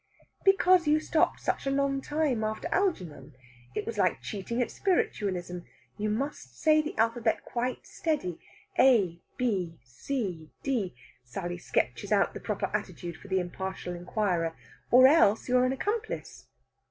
"Because you stopped such a long time after Algernon. It was like cheating at Spiritualism. You must say the alphabet quite steady A B C D " Sally sketches out the proper attitude for the impartial inquirer. "Or else you're an accomplice."